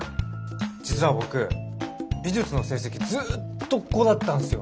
実は僕美術の成績ずっと５だったんすよ。